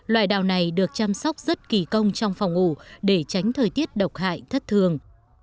loại đào này được chăm sóc rất kỳ công trong phòng ngủ để tránh thời tiết độc hại thất thường